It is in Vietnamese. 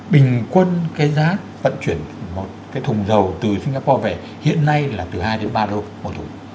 bình quân cái giá vận chuyển một cái thùng dầu từ singapore về hiện nay là từ hai đến ba đâu một thùng